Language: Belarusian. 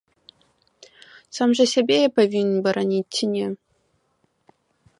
Сам жа сябе я павінен бараніць ці не?!